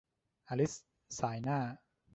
อลิซส่ายหน้า